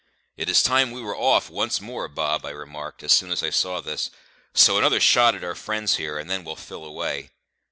"It is time we were off once more, Bob," I remarked, as soon as I saw this; "so another shot at our friends here, and then we'll fill away."